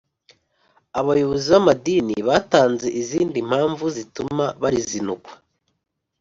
abayobozi b amadini batanze Izindi mpamvu zituma barizinukwa